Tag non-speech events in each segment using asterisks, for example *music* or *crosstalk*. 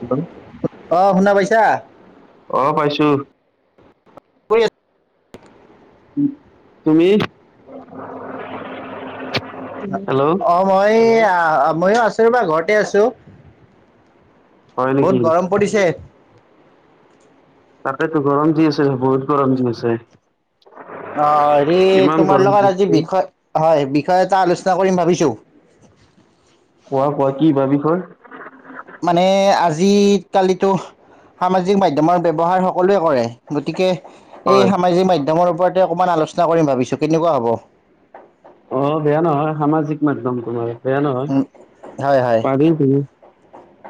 Hello অ' শুনা পাইছা? আহ পাইছো। শুই আছো। উ তুমি? হেল্ল' অ' মই আহ ময়ো আছো বা ঘৰতে আছো। হয় বহুত নেকি গৰম পৰিছে। তাকতো গৰম দি আছে, বহুত গৰম দি আছে। অ' হেৰি ইমান তোমাৰ গৰম লগত আজি দিছে বিষয় হয় বিষ তই এটা আলোচনা কৰিম ভাবিছোঁ। কোৱা কোৱা কি বা বিষয় মানে আজ কালিতো সামাজিক মাধ্যমৰ ব্যহাৰ সকলোৱে কৰে। গতিকে এই হয় সামাজিক মাধ্যমৰ ওপৰতে অকমান আলোচনা কৰিম ভাবিছো কেনেকুৱা হ'ব? অ' বেয়া নহয় সামাজিক মাধ্যম তোমাৰ। বেয়া নহয় হয় হয় পাৰি, তুমিও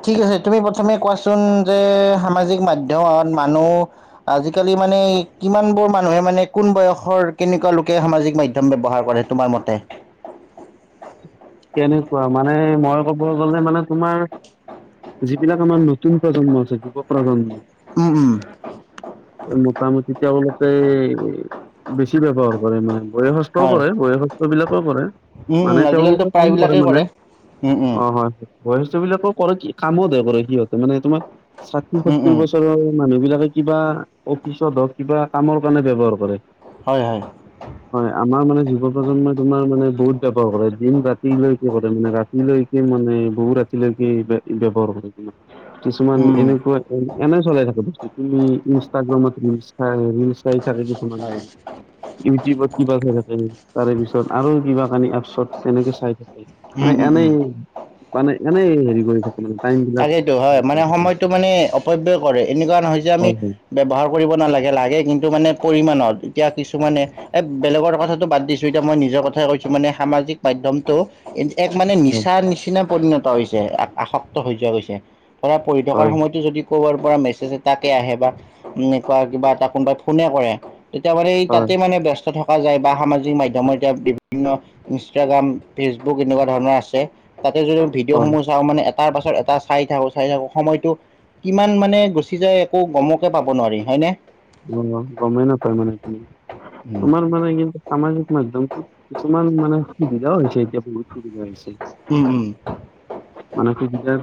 ঠিক আছে, তুমি প্ৰথমে কোৱাচোন যে সামাজিক মাধ্যমত মানুহ আজিকালি মানে মানে কিমান বোৰ মানুহে মানে কোন বয়সৰ কেনেকুৱা লোকে সামাজিক মাধ্যম ব্যৱহাৰ কৰে তোমাৰ মতে? তেনেকুৱা, মানে মই ক'ব গ'লে মানে তোমাৰ যিবিলাক আমাৰ নতুন প্ৰজন্ম আছে, যুৱ প্ৰজন্ম উম উম মোটামুটি তেওঁলোক এ বেছি ব্যৱহাৰ কৰে, মানে বয়সস্থও হয় কৰে বয়সস্থবিলাকও কৰে। উম মানে উম আজিকালিতো তেওঁলোকে কাম প্ৰায়বিলাকেই কৰে। উম উম বয়স বিলাকো কৰে কি কামতহে কৰে। সিহঁতে মানে তোমাৰ ষাঠি উম সত্তৰ উম বছৰৰ মানুহ বিলাকে কিবা অফিচত হওঁক কিবা কামৰ কাৰণে ব্যৱহাৰ কৰে। হয় হয় হয়। আমাৰ মানে যুৱ প্ৰজন্মই তোমাৰ মানে বহুত ব্যৱহাৰ কৰে। দিন ৰাতি ৰাতিলৈকে কৰে মানে ৰাতিলৈকে মানে বহু ৰাতিলৈকে ব্যৱহাৰ কৰে। তে কিছুমান উম এনেকুৱা এনে চলাই থাকে। বস্তু তুমি ইনষ্টাগ্ৰামত ৰলচ চাই ৰিলচ চাই থাকে দেখোন আৰু, হয় ইউটিউবত কিবা থাকে। তাৰে পিছত আৰু কিবা কানি এপছত তেনেকে চাই থাকে। উম মানে উম এনে উম মানে এনেই হেৰি কৰি থাক তাকেইেতো হয়। মানে সময়তটো মানে অপব্য় কৰে, এনেকুৱা নহয় যে আমি হয় ব্যৱহাৰ কৰিব নালাগে। লাগে কিন্তু মানে পৰিমাণত। এতিয়া কিছু মানে এ বেলেগৰ কথাটো বাদ দিছো। এতিয়া মই নিজৰ কথাই কৈছো, মানে সামাজিক মাধ্যমতটো এক মানে হয় নিচাৰ নিচিনা পৰিণত হৈছে, আসক্ত হৈ যোৱা গৈছে ধৰা পঢ়ি থকাৰ হয় সময়তো যদি ক'বাৰ পৰা মেছেজ এতাকে আহে বা এনেকুৱা কিবা এটা কোনোবাই ফোনে কৰে তেতিয়া মানে এই হয় হয় তাতেই মানে ব্যস্ত থাক পোৱা যায়। বা সামাজিক মাধ্যমৰ এতিয়া বিভিন্ন ইনষ্টাগ্ৰাম ফেচবুক এনেকুৱা ধৰণৰ আছে তাতে যদি ভিডিঅ' হয় সমূহ চাওঁ মানে এটা পাছত এটা চাই থাকো চাই থাকো। সময়তটো কিমান মানে গুচি যায়, একো গমকে পাব নোৱাৰি হয়নে? অ', গমেই নাপায় মানে তুমি, উম তোমাৰ মানে কিন্তু সামাজিক মাধ্যমটোত কিছুমান মানে *unintelligible* হৈছে *unintelligible* বহুত সুবিধা হৈছে, উম উম *unintelligible*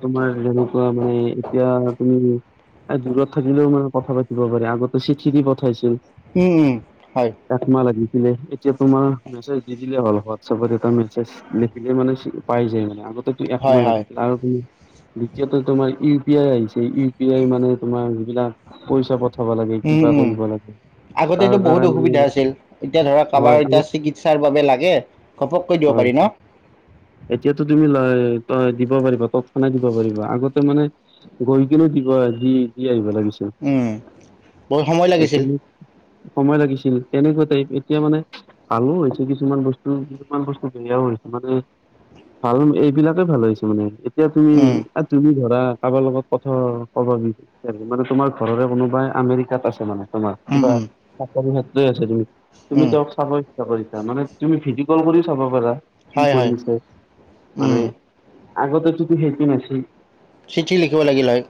তোমাৰ যেনেকুৱা মানে এতিয়া তুমি দূৰত থাকিলেও মানে কথা পাতিব পাৰি, আগতে চিঠি দি পঠাইছিল। উম, হয়। *unintelligible* এতিয়া তোমাৰ মেছেজ দি দিলে হ'ল, হোৱাটছএপত এটা মেছেজ লিখিলে মানে পাই যায় মানে, আগত এইটো হয় একমাহ হয় লাগি গ'ল। আৰু তুমি দ্বিতীয়তে তোমাৰ ইউ পি আই আহিছে, ইউ পি আই মানে তোমাৰ যিবিলাক পইচা পঠাব লাগে উম কিবা উম কৰিব লাগে তাৰ আগতেতো বহুত দ্বাৰা মানে অসুবিধা আছিল। এতিয়া ধৰক কাৰোবাৰ হয় আমি এতিয়া চিকিৎসাৰ বাবে লাগে। ঘপককৈ দিব হয় পাৰি ন? এতিয়াতো তুমি ল ত দিব পাৰিবা, তৎক্ষণা দিব পাৰিবা। আগতে মানে গৈ কিনে দিব দি আহিব। উম বহুত সময় লাগিছিল *unintelligible* সময় লাগিছিল, তেনেকুৱা এতিয়া মানে ভালো হৈছে কিছুমান বস্তু, কিছুমান বস্তু বেয়াও হৈছে মানে ভাল এইবিলাকে ভাল হৈছে মানে, এতিয়া উম তুমি-তুমি ধৰা কাৰবাৰ লগত কথা *unintelligible* মানে, তোমাৰ ঘৰৰে কোনোবাই আমেৰিকাত আছে মানে তোমাৰ উম কিবা উম *unintelligible* তুমি তুমি উম তেওঁক চাবৈ *unintelligible* মানে তুমি ভিডিঅ' কল কৰি চাব পাৰা, কি হয় কৰি হয় আছে, মানে উম আগতেটোটো সেইটো নাছিল। চিঠি লিখিব লাগিল হয়,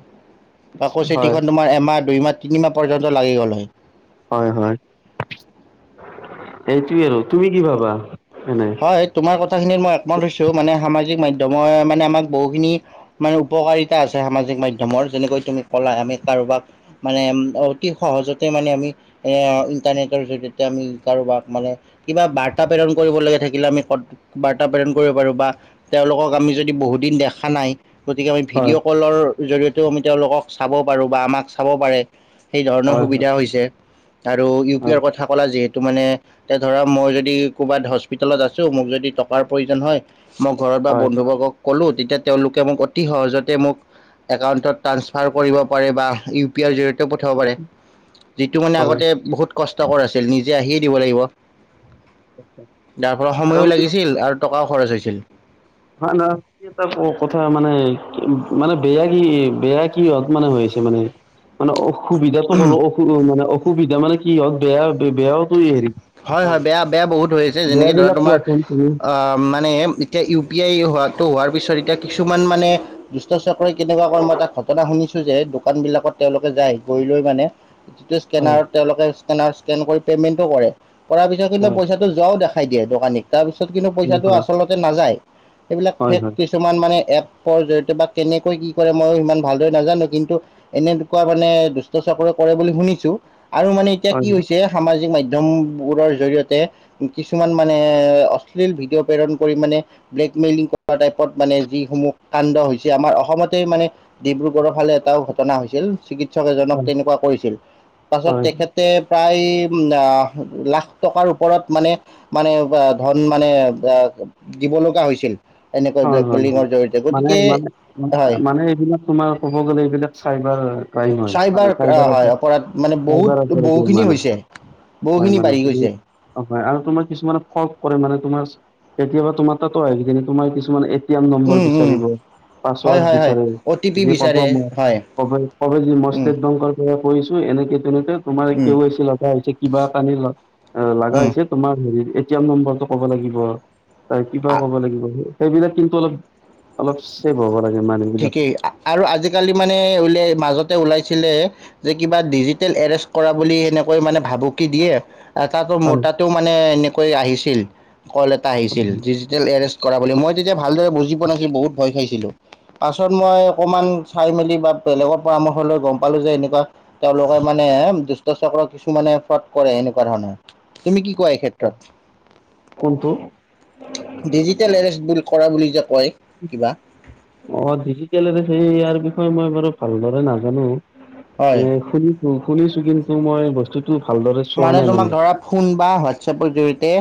আকৌ হয় চিঠিখন তোমাৰ এমাহ, দুইমাহ, তিনিমাহ পৰ্যন্ত লাগি গ'ল হয়। হয় হয়, এইটোৱে আৰু। তুমি কি ভাবা? এনে হয়, তোমাৰ কথাখিনিত মই *unintelligible* মানে, সামাজিক মাধ্যমৰ মানে আমাক বহুখিনি মানে উপকাৰিতা আছে সামাজিক মাধ্যমৰ। যেনেকৈ তুমি ক'লা আমি কাৰোবাক, মানে অতি সহজতে মানে আমি এ ইটাৰনেট *unintelligible* তেতিয়া আমি কাৰোবাক মানে, কিবা বাৰ্তা প্ৰেৰণ কৰিবলেকে থাকিলে আমি ক, বাৰ্তা প্ৰেৰণ কৰিব পাৰোঁ, বা তেওঁলোকক আমি যদি বহুত দিন দেখা নাই গতিকে আমি হয় ভিডিঅ' কলৰ জৰিয়তেওঁ আমি তেওঁলোকক চাব পাৰোঁ বা আমাক চাব পাৰে। সেই ধৰণৰ হয় হয় হয় সুবিধা হৈছে আৰু ইউ পি হয় আইৰ কথা ক'লা যিহে তো মানে এতিয়া ধৰা মই যদি ক'ৰবাত হস্পিটেলত আছোঁ, মোক যদি টকাৰ প্ৰয়োজন হয় মই ঘৰত বা বন্ধুবৰ্গক কলো, তেতিয়া তেওঁলোকে মোক অতি সহজতে মোক একাউণ্টত ট্ৰান্সফাৰ কৰিব পাৰে বা ইউ পি আইৰ জৰি পঠিয়াব পাৰে, যিটো মানে হয় আগতে বহুত কষ্টকৰ আছিল। *unintelligible* আহিয়ে দিব লাগিব। যাৰ ফলত সময়ো আৰু লাগিছিল আৰু টকাওঁ খৰচ হৈছিল। *unintelligible* এটা কথা মানে, মানে বেয়া কি, বেয়া কিহত মানে হৈছে মানে, মানে অ', সুবিধাটো ক'লো, অস মানে অসুবিধা মানে কি হওঁক বেয়া বেয়াওটো হেৰি হয় অ হয়, বেয়া-বেয়া বহুত হৈ আছে। যেনেকে ধৰা বেয়াবিলাক তোমাৰ কোৱাচোন তুমি অ', মানে এতিয়া ইউ পি আই হোৱাটো হোৱাৰ পিছত এতিয়া কিছুমান মানে, দুষ্টচক্ৰই কেনেকুৱা মই এটা ঘটনা শুনিছোঁ যে দোকান বিলাকত তেওঁলোকে যায়, গৈ লয় মানে যিটো হয় স্কেনাৰত তেওঁলোকে স্কেনাৰত স্কেন কৰি পেমেন্টো কৰে, কৰাৰ পিছত কিন্তু হয় পইচাটো যোৱাওঁ দেখা *unintelligible* দিয়ে দোকানীক, তাৰপিছত কিন্তু পইচাটো হয় আচলতে নাযায়, সেইবিলাক হয় ফেক হয় কিছুমান মানে এপৰ জৰিয়তে বা কেনেকৈ কি কৰে ময়ো সিমান ভালদৰে নাজানো, কিন্তু এনেকুৱা মানে দুষ্ট *unintelligible* কৰে বুলি শুনিছো, আৰু মানে এতিয়া কি হয় হৈছে সামাজিক মাধ্যম *unintelligible* জৰিয়তে, কিছুমান মানে, অশ্লীল ভিডিঅ' প্ৰেৰণ কৰি মানে ব্লেকমেইলিং টাইপত মানে যিসমূহ কাণ্ড হৈছে আমাৰ অসমতে মানে, ডিব্ৰুগড়ৰ ফালে এটাও ঘটনা হৈছে। চিকিৎসক এজনক হয় তেনেকুৱা কৰিছিল, পাছত হয় তেখেতে প্ৰায় উম আহ লাখ টকাৰ ওপৰত মানে, মানে ধন মানে দিব লগা হৈছিল। এনেকৈ হয় হয় হয় ব্লেকমেইলিঙৰ জৰিয়তে মানে গতিকে মানে, হয় মানে এইবিলাক তোমাৰ ক'ব গ'লে এইবিলাক চাইবাৰ হয়। ক্ৰাইম মানে চাইবাৰ হয় অপৰাধ মানে চাইবাৰ বহুত অপৰাধী বহুখিনি মানে হৈছে। হয় বহুখিনি মানে বাঢ়ি তুমি গৈছে। অ হয় আৰু তোমাৰ কিছুমানে ফল্চ কৰে মানে তোমাৰ কেতিয়াবা তোমাৰ তাতো আহিকিনি তোমাৰ কিছুমান নম্বৰ উম, উম, বিচাৰিব। হয়, পাছৱৰ্ড হয়, হয়, বিচাৰে, অ' টি পি বিচাৰে হয়, *unintelligible* মই উম, ষ্টেট বেংকৰ পৰা কৰিছো এনেকে তেনেকে তোমাৰ উম, *unintelligible* লগা হৈছে, কিবা কাৰণে লাগা উম, হৈছে তোমাৰ এ টি এম নম্বৰটো ক'ব লাগিব, তাৰ কিবাওঁ আ কব লাগিব, হে সেইবিলাক কিন্তু অলপ, অলপ চেভ হ'ব লাগে। মানুহবিলাক ঠিকেই, আৰু আজিকালি মানে বোলে মাজত ওলাইছিলে যে কিবা ডিজিটেল এৰেষ্ট কৰা বুলি এনেকৈ মানে ভাবুকি দিয়ে তাতো মোৰ হয় তাতো মানে এনেকৈ আহিছিল। কল এটা আহিছিল, ডিজিটেল এৰেষ্ট কৰা বুলি মই তেতিয়া ভালদৰে বুজি পোৱা নাছিলো, বহুত ভয় খাইছিলো। পাছত মই অকণমান চাই মেলি বা বেলেগৰ পৰামৰ্শ লৈ গম পালোঁ যে এনেকুৱা, তেওঁলোকে মানে দুষ্ট চক্ৰ কিছুমানে ফ্ৰদ কৰে এনেকুৱা ধৰণৰ, তুমি কি? কোৱা এই ক্ষেত্ৰত কোনটো ডিজিটেল এৰেষ্ট বুলি কৰা বুলি যে কয় কিবা। অ' ডিজিটেলৰে ইয়াৰ বিষয়ে মই বাৰু ভালদৰে নাজানো, হয় শুনি উ শুনিছো কিন্তু মই বস্তু মানে তোমাক ধৰা ফোন বা হোৱাটছএপৰ জৰিয়তে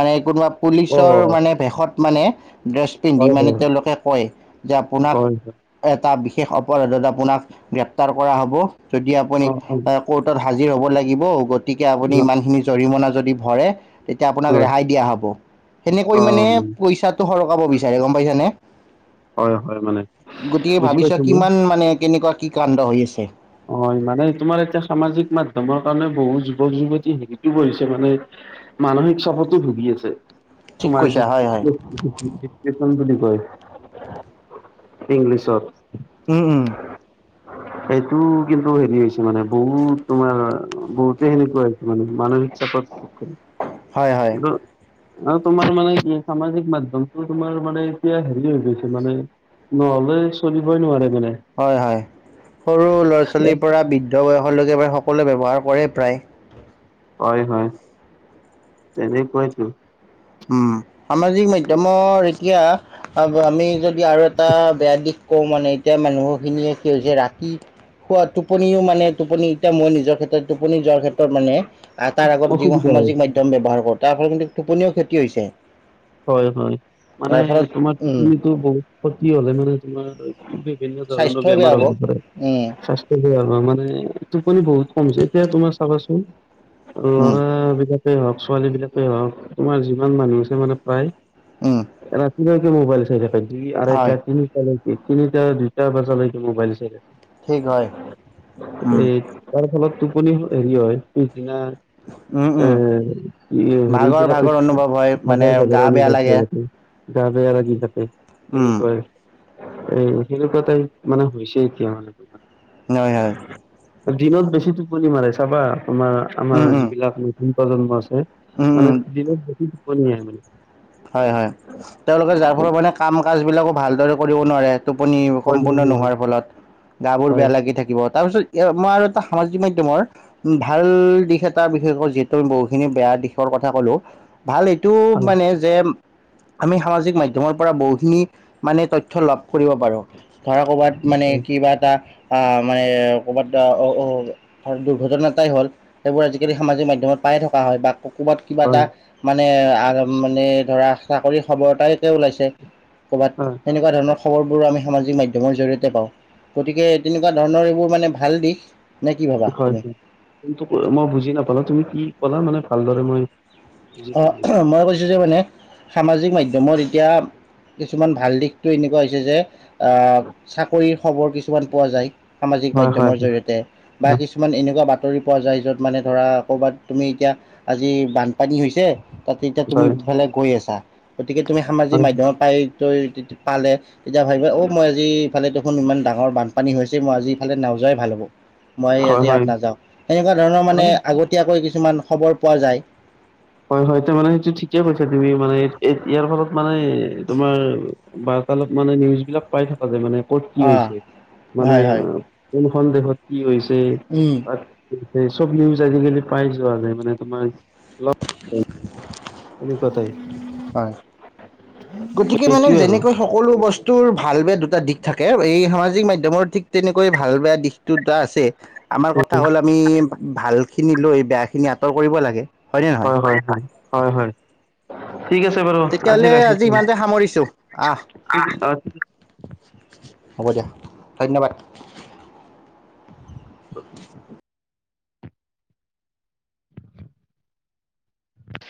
মানে কোনোবা অ পুলিচৰ মানে ভেষত মানে ড্ৰেছ পিন্ধি হয় মানে হয় তেওঁলোকে কয় যে আপোনাক হয় হয় এটা শেষ অপৰাধত আপোনাক, গ্ৰেপ্তাৰ কৰা হ'ব যদি আপুনি, অ কৰ্টত হাজিৰ হ'ব লাগিব। লাগিব গতিকে আপুনি অ অ, ইমানখিনি জৰিমনা যদি ভৰে। তেতিয়া আপোনাক হয় ৰেহাই দিয়া হ'ব সেনেকৈ অ মানে উম, পইচাটো সৰকাব বিচাৰে গম পাই নে? হয় হয় মানে গতিকে বুজি ভাবিছোৱা পাইছো মই কিমান মানে কেনেকুৱা কি কাণ্ড হৈ আছে। হয় মানে তোমাৰ এতিয়া সামাজিক মাধ্যমৰ কাৰণে বহুত যুৱক যুৱতী শিকিব দিতে ানে মানসিক চাপতো ভুগি আছে। ঠিক তোমাৰ কৈছা যি হয় হয় কেইখন বুলি কয়। *inaudible* ইংলিছত। উম, উম, এই টো কিন্তু হেৰি হৈছে মানে বহুত তোমাৰ বহুতে সেনেকুৱা হৈছে মানে মানসিক চাপত হয়, হয়, আৰু তোমাৰ মানে কি সামাজিক মাধ্যমটো তোমাৰ মানে এতিয়া হেৰি হৈ গৈছে মানে নহ'লে চলিবই নোৱাৰে। মানে। হয় হয়, সৰু ল'ৰা ছোৱালীৰ পৰা বৃদ্ধ বয়সলৈকে বাৰে সকলোৱে ব্যৱহাৰ কৰে প্ৰায়। হয় হয়, তেনেকুৱাই তো। উম, সামাজিক মাধ্যমৰ এতিয়া, আমি যদি আৰু এটা বেয়া দিশ কওঁ মানে এতিয়া মানুহখিনিয়ে কি হৈছে ৰাতি কি খোৱা টোপনিও মানে টোপনি এতিয়া মই নিজৰ ক্ষেত্ৰত টোপনি যোৱাৰ ক্ষেত্ৰত মানে তাৰ আগত যি অসুবিধা হয় সামাজিক ব্যৱহাৰ কৰো তাৰ ফলত কিন্তু টোপনিও ক্ষেত্ৰত কি হৈছে? হয় হয় মানে, তাৰ ফলত তোমাৰ উম, তুমিটো বহুত সতি হলে মানে তোমাৰ বিভিন্ন ধৰণৰ স্বাস্থ্যও বেমাৰ বেয়া হ'ব হৈ পাৰে। উম, স্বাস্থ্য ভাল মানুহজনৰ মানে টোপনি বহুত কম হৈছে এতিয়া তোমাৰ উম, ল'ৰা বিলাকেই হওক ছোৱালী বিলাকেই হওক তোমাৰ যিমান মানুহ আছে মানে ভাই, উম, ৰাতি লৈকে মোবাইল চাই থাকা দুই আ্হৈতা হয় টা তিনিটা এই তিনিটা দুইটা বজালৈকে মোবাইল চাই থাকে। ঠিক হয়। এই তাৰ ফলত টোপনি হেৰি হয় উম, উম। *unintelligible* হেৰি ভাগৰ বিলাকে ভাগৰ অনুভৱ হয় মানে *unintelligible* গা বেয়া লাগে *unintelligible* গা বেয়া লাগি থাকে উম, এনেকুৱা এ সেনেকোৱা তাইপ মানে হৈছে এতিয়া মানে তোমাৰ। *unintelligible* দিনত বেছি টোপনি মাৰে চাবা তোমাৰ উম, আমাৰ উম, যিবিলাক নতুন প্ৰজন্ম আছে। উম, উম, মানে দিনত বেছি টোপনি আহে মানে। হয় হয়, তেওঁলোকে যাৰ ফলত মানে কাম কাজ বিলাকো ভালদৰে কৰিব নোৱাৰে। টোপনি হয় সম্পূৰ্ণ নোহোৱাৰ ফলত, গা বোৰ হয় বেয়া হয় লাগি থাকিব তাৰ পিছত মই আৰু এটা সামাজিক মাধ্যমৰ ভাল দিশ এটা বিষয়ে কও যিহেতু বহুখিনি বেয়া দিশৰ কথা কলো ভাল এইটো মানে যে আমি সামাজিক মাধ্যমৰ পৰা বহ খিনি মানে তথ্য লাভ কৰিব পাৰো ধৰা কৰ'বাত মানে হয় কিবা এটা আহ মানে ক'ৰবাত, দুৰ্ঘটনাটাই হ'ল সেইবোৰ আজিকালি সামাজিক মাধ্যমত পাই থকা হয় বা কবাত কিবা, এটা হয় মানে ধৰা চাকৰি খবৰ এটায়ে ওলাইছে, তেনেকুৱা ধৰণৰ খবৰবোৰ আমি সামাজিক মাধয়মৰ জৰিয়তে, পাওঁ গতিকে তেনেকুৱা ধৰণৰ এইবোৰ মানে ভাল দিশ। নে কি ভাবা হয় তুমি হয় মই বুজি নাপালোঁ তুমি কি কলা মানে ভালদৰে মই বুজি অ' পোৱা নাই মই কৈছোঁ যে মানে সামাজিক মাধ্যমত এতিয়া কিছুমান ভাল দিশটো এনেকুৱা হৈছে যে চাকৰিৰ খবৰ কিছুমান পোৱা যায় সামাজিক হয় মাধ্যমৰ হয় জৰিয়তে বা হয় কিছুমান এনেকুৱা বাতটা বাতৰি পোৱা যায় যত মানে ধৰা কৰ'বাত তুমি এতিয়া আজি বানপানী হৈছে তেতিয়া তুমি হয় সিফালে গৈ আছা গতিকে তুমি সামাজিক হয় মাধ্যমৰ পাই ত পালে তেতিয়া ভাবিবা অঁ মই আজি ইফালে দেখোন ইমান ডাঙৰ বানপানী হৈছে মই আজি ইফালে নাযোৱাই ভাল হ'ব। মই হয় আজি ইয়াত হয় নাযাও এনেকুৱা ধৰণৰ মানে হয় আগতীয়াকৈ কিছুমান খবৰ পোৱা যায়। হয় হয় সেইটো মানে সেইটো ঠিকে কৈছা তুমি মানে ইয়াৰ ফলত মানে তোমাৰ বা অলপ মানে নিউজ বিলাক পাই থকা যায় মানে ক'ত কি অঁ হৈছে, মানে হয় হয় কোনখন দেশত কি হৈছে উম তাত কি এ চব নিউজ আজিকালি পাই যোৱা যায় মানে তোমাৰ *unintelligible* হয় গতিকে মানে সেইটোৱে আৰু যেনেকৈ সকলো বস্তু *unintelligible* ভাল বেয়া দুটা দিশ থাকে এই সামাজিক মাধ্যমৰ ঠিক তেনেকৈ ভাল বেয়া দিশটো দুটা আছে। আমাৰ কথা হ'ল আমি ভালখিনি লৈ বেয়াখিনি আঁতৰ কৰিব লাগে। হয়নে নহয় হয় হয় হয় হয় হয়। ঠিক আছে বাৰু আজি তেতিয়াহ'লে ৰাখিছো, ইমানতে সামৰিছোঁ আহ অ'। হ'ব দিয়া ধন্যবাদ। *unintelligible*